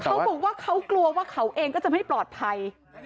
เขาบอกว่าเขากลัวว่าเขาเองก็จะไม่ปลอดภัย